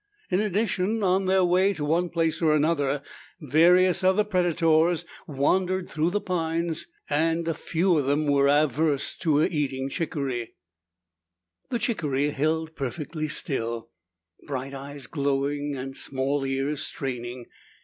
In addition, on their way to one place or another, various other predators wandered through the pines and few of them were averse to eating chickaree. The chickaree held perfectly still, bright eyes glowing and small ears straining.